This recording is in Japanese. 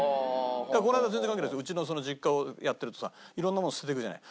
この間全然関係ないけどうちの実家をやってるとさ色んなもの捨てていくじゃない。